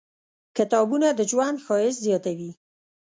• کتابونه، د ژوند ښایست زیاتوي.